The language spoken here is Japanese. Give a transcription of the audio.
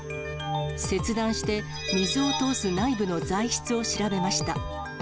切断して、水を通す内部の材質を調べました。